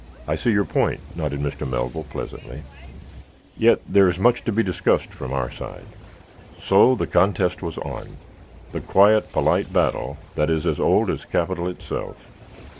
"I see your point," nodded Mr. Melville, pleasantly. "Yet there is much to be discussed from our side." So the contest was on the quiet, polite battle that is as old as capital itself.